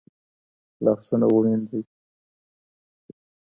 لاسونه ووينځئ.